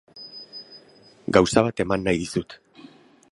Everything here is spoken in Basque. Gauza bat eman nahi dizut.